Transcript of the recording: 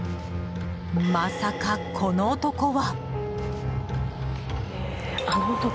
まさか、この男は。